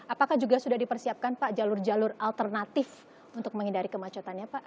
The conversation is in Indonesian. apakah juga sudah dipersiapkan pak jalur jalur alternatif untuk menghindari kemacetannya pak